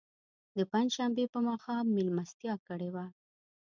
د پنج شنبې په ماښام میلمستیا کړې وه.